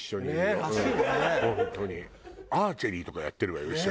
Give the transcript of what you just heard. アーチェリーとかやってるわよ一緒に。